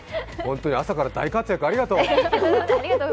朝から大活躍、ありがとう。